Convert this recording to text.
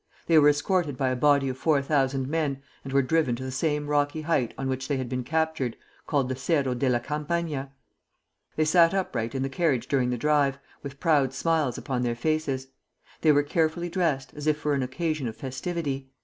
They were escorted by a body of four thousand men, and were driven to the same rocky height on which they had been captured, called the Cerro della Campana. They sat upright in the carriage during the drive, with proud smiles upon their faces. They were carefully dressed, as if for an occasion of festivity.